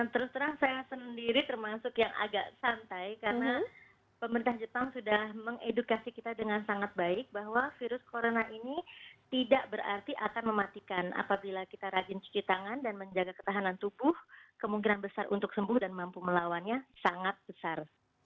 terus terang saya sendiri termasuk yang agak santai karena pemerintah jepang sudah mengedukasi kita dengan sangat baik bahwa virus corona ini tidak berarti akan mematikan apabila kita rajin cuci tangan dan menjaga ketahanan tubuh kemungkinan besar untuk sembuh dan mampu melawannya sangat besar